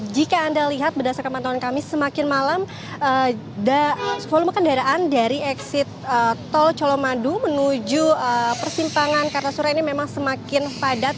jika anda lihat berdasarkan pantauan kami semakin malam volume kendaraan dari exit tol colomadu menuju persimpangan kartasura ini memang semakin padat